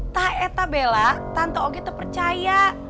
tak bella tante ogi tuh percaya